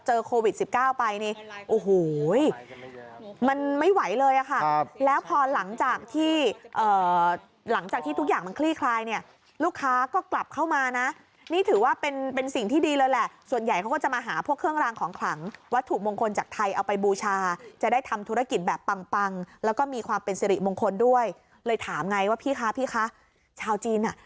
โควิด๑๙ไปนี่โอ้โหมันไม่ไหวเลยอะค่ะแล้วพอหลังจากที่หลังจากที่ทุกอย่างมันคลี่คลายเนี่ยลูกค้าก็กลับเข้ามานะนี่ถือว่าเป็นสิ่งที่ดีเลยแหละส่วนใหญ่เขาก็จะมาหาพวกเครื่องรางของขลังวัตถุมงคลจากไทยเอาไปบูชาจะได้ทำธุรกิจแบบปังปังแล้วก็มีความเป็นสิริมงคลด้วยเลยถามไงว่าพี่คะพี่คะชาวจีนอ่ะ